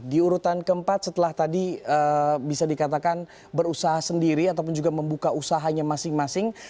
di urutan keempat setelah tadi bisa dikatakan berusaha sendiri ataupun juga membuka usahanya masing masing